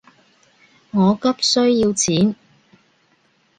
我急需要錢